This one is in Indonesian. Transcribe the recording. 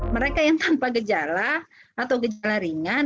mereka yang tanpa gejala atau gejala ringan